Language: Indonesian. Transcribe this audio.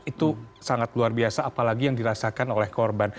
itu sangat luar biasa apalagi yang dirasakan oleh korban